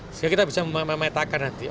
sehingga kita bisa memetakan nanti